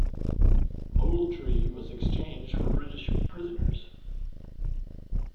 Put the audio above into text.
Moultrie was exchanged for British prisoners.